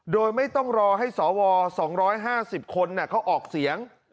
โดยไม่ต้องรอให้สว๒๕๐คนเขาออกเสียง